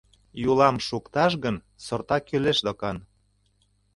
Йӱлам шукташ гын, сорта кӱлеш докан.